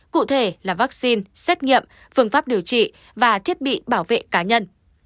cụ thể là vaccine xét nghiệm phương pháp điều trị và thiết bị bảo vệ cá nhân